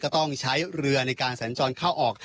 ต้องใช้เรือในการสัญจรเข้าออก